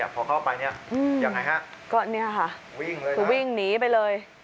พอเข้าไปเนี่ยยังไงฮะก็เนี่ยค่ะวิ่งหนีไปเลย